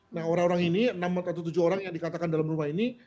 nah orang orang ini enam atau tujuh orang yang dikatakan dalam rumah ini